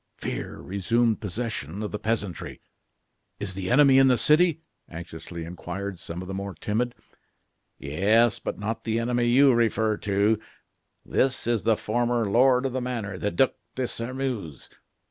Fear resumed possession of the peasantry. "Is the enemy in the city?" anxiously inquired some of the more timid. "Yes; but not the enemy you refer to. This is the former lord of the manor, the Duc de Sairmeuse."